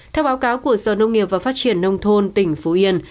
theo báo cáo của sở nông nghiệp và phát triển nông thôn tỉnh phú yên